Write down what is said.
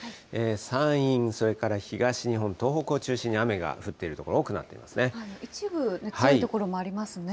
山陰、それから東日本、東北を中心に雨が降っている所、多くなっ一部、強い所もありますね。